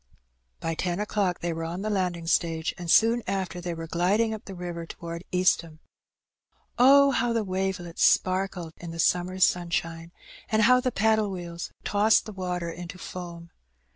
By ten o'clock they were on the landing stage, and soon after they were gliding up the river towards Eastham. Oh, how the wavelets sparkled in the summer's sunshine, and how the paddle wheels tossed the water into foam